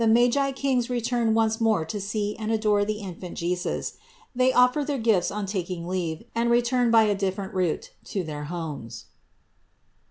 MAGI KINGS RETURN ONCE MORE TO SEE AND ADORE THE INFANT JESUS: THEY OFFER THEIR GIFTS ON TAKING LEAVE, AND RETURN BY A DIFFERENT ROUTE TO THEIR HOMES.